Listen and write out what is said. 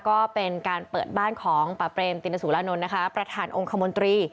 ก็เป็นการเปิดบ้านของป่าเปรมตินสุรานนท์นะคะประธานองค์คมนตรี